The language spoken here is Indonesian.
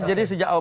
jadi sejak awal